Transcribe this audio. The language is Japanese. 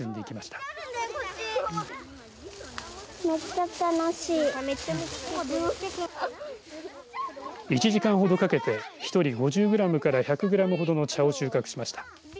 １時間ほどかけて１人５０グラムから１００グラムほどの茶を収穫しました。